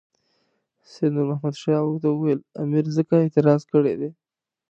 سید نور محمد شاه ورته وویل امیر ځکه اعتراض کړی دی.